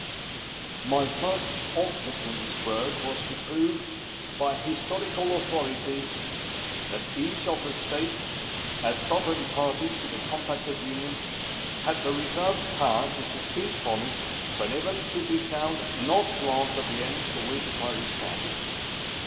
My first object in this work was to prove, by historical authority, that each of the States, as sovereign parties to the compact of Union, had the reserved power to secede from it whenever it should be found not to answer the ends for which it was established.